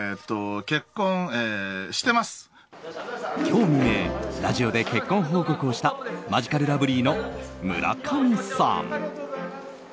今日未明ラジオで結婚報告をしたマヂカルラブリーの村上さん。